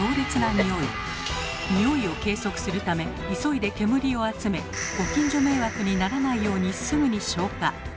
ニオイを計測するため急いで煙を集めご近所迷惑にならないようにすぐに消火。